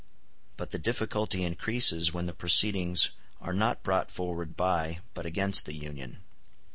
But the difficulty increases when the proceedings are not brought forward by but against the Union.